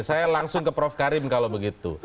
saya langsung ke prof karim kalau begitu